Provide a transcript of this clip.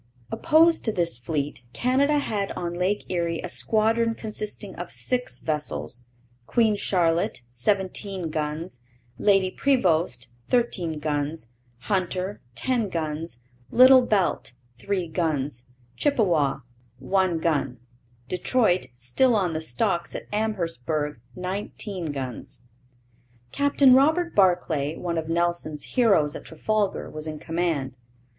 Opposed to this fleet Canada had on Lake Erie a squadron consisting of six vessels Queen Charlotte, seventeen guns; Lady Prevost, thirteen guns; Hunter, ten guns; Little Belt, three guns; Chippewa, one gun; Detroit, still on the stocks at Amherstburg, nineteen guns. Captain Robert Barclay, one of Nelson's heroes at Trafalgar, was in command.